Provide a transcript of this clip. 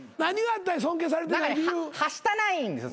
はしたないんです